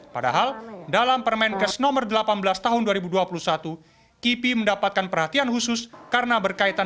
padahal dalam permenkes nomor delapan belas tahun dua ribu dua puluh satu kipi mendapatkan perhatian khusus karena berkaitan